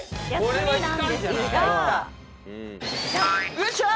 よっしゃー！